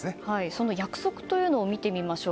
その約束というのを見てみましょう。